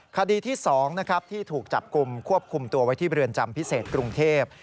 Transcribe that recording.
คดีที่๒นะครับที่ถูกจับกลุ่มควบคุมตัวไว้ที่เรือนจำพิเศษกรุงเทพ